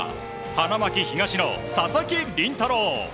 花巻東の佐々木麟太郎。